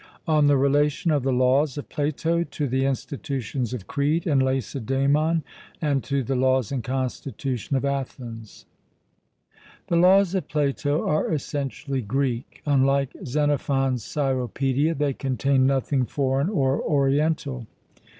EXCURSUS ON THE RELATION OF THE LAWS OF PLATO TO THE INSTITUTIONS OF CRETE AND LACEDAEMON AND TO THE LAWS AND CONSTITUTION OF ATHENS. The Laws of Plato are essentially Greek: unlike Xenophon's Cyropaedia, they contain nothing foreign or oriental.